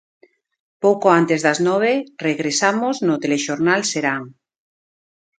Pouco antes das nove regresamos no Telexornal Serán.